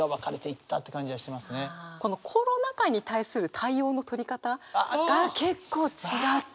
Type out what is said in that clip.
このコロナ禍に対する対応の取り方が結構違って。